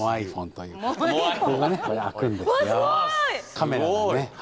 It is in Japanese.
カメラがね。